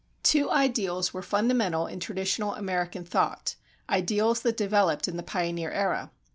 Two ideals were fundamental in traditional American thought, ideals that developed in the pioneer era.